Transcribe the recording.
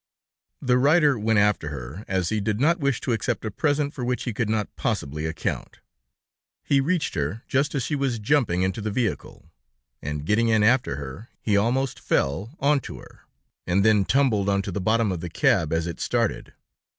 The writer went after her, as he did not wish to accept a present for which he could not possibly account. He reached her just as she was jumping into the vehicle, and getting in after her, he almost fell onto her, and then tumbled onto the bottom of the cab as it started.